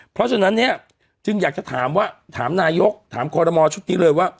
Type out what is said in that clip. เพราะฉะนั้นเนี่ยจึงอยากจะถามว่าถามนายกถามคอรมอชุดนี้เลยว่า